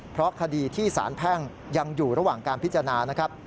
เพราะคดีที่สารแพ่งยังอยู่ระหว่างการพิจารณานะครับ